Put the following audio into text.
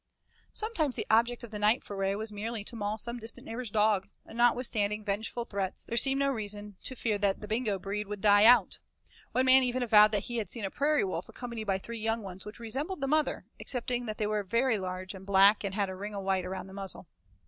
Sometimes the object of a night foray was merely to maul some distant neighbor's dog, and notwithstanding vengeful threats, there seemed no reason to fear that the Bingo breed would die out. One man even avowed that he had seen a prairie wolf accompanied by three young ones which resembled the mother, excepting that they were very large and black and had a ring of white around the muzzle.